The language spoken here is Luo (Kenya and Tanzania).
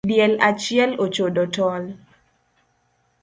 Diel achiel ochodo tol